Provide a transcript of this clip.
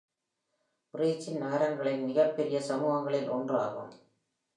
Brechin, நகரங்களின் மிகப்பெரிய சமூகங்களில் ஒன்றாகும்.